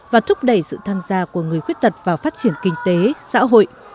và thúc đẩy sự tham gia của người khuyết tật vào phát triển kinh tế xã hội